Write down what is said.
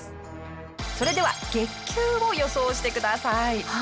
それでは月給を予想してください。